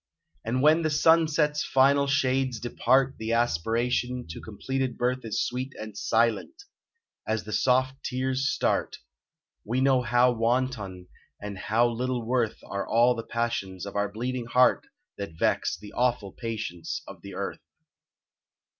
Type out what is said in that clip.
And when the sunset's final shades depart The aspiration to completed birth Is sweet and silent ; as the soft tears start, We know how wanton and how little worth Are all the passions of our bleeding heart That vex the awful patience of the earth.